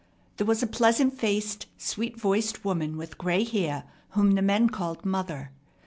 There was a pleasant faced, sweet voiced woman with gray hair whom the men called "mother."